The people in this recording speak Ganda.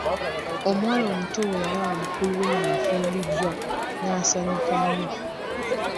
Omuwala omuto bwe yalaba mukulu we afumbiddwa n'asanyuka nnyo.